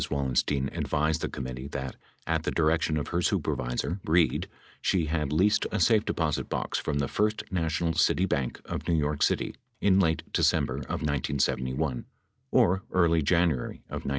Wallen stein advised the committee that, at the direction of her supervisor, Reid, she had leased a safe deposit box from the First National City Bank of New York City in late December of 1971 or early January of 1972.